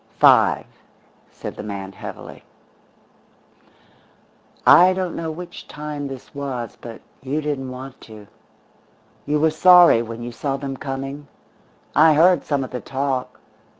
"Five," said the man heavily. "I don't know which time this was; but you didn't want to. You were sorry when you saw them coming. I heard some of the talk.